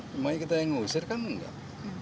cuma kita yang ngusir kan enggak